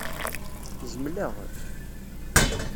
Zemleɣ?